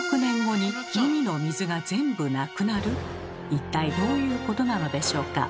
一体どういうことなのでしょうか。